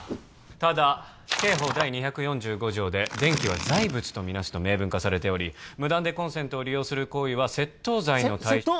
ただ刑法第２４５条で「電気は財物とみなす」と明文化されており無断でコンセントを利用する行為は窃盗罪のせ窃盗？